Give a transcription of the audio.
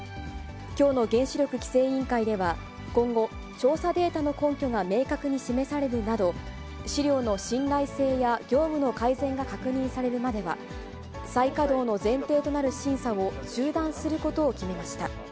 きょうの原子力規制委員会では、今後、調査データの根拠が明確に示されるなど、資料の信頼性や業務の改善が確認されるまでは、再稼働の前提となる審査を中断することを決めました。